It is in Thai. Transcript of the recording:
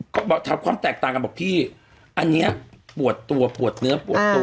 ก็บอกถามความแตกต่างกันบอกพี่อันนี้ปวดตัวปวดเนื้อปวดตัว